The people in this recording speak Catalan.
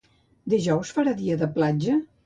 Dijous farà dia de platja?